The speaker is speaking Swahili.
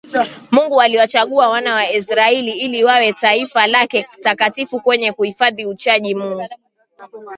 Mungu aliwachagua Wana wa Israel ili wawe taifa lake takatifu wenye kuhifadhi Uchaji Mungu